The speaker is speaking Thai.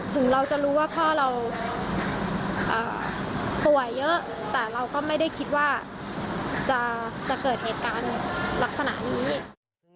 ถึงเราจะรู้ว่าพ่อเราป่วยเยอะแต่เราก็ไม่ได้คิดว่าจะเกิดเหตุการณ์ลักษณะนี้